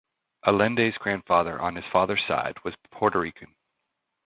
Allende's grandfather on his father's side was Puerto Rican.